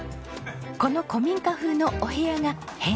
この古民家風のお部屋が変身します。